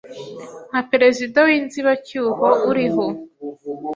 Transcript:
nka perezida w'inzibacyuho uriho